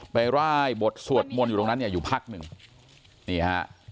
ไปร่ายบทสวดมนต์อยู่ตรงนั้นนี่อยู่นี่ฮะ